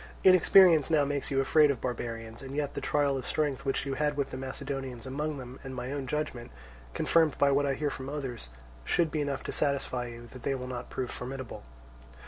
Inexperience now makes you afraid of barbarians; and yet the trial of strength which you had with the Macedonians among them, and my own judgment, confirmed by what I hear from others, should be enough to satisfy you that they will not prove formidable.